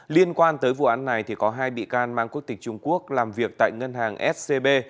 liên quan tới vụ án này có hai bị can mang quốc tịch trung quốc làm việc tại ngân hàng scb